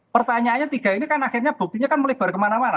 pertanyaannya tiga ini kan akhirnya buktinya kan melebar kemana mana